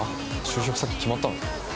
就職先決まったの？